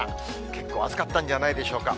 結構暑かったんじゃないでしょうか。